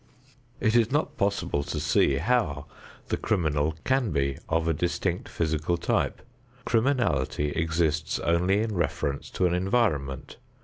It is not possible to see how the criminal can be of a distinct physical type. Criminality exists only in reference to an environment.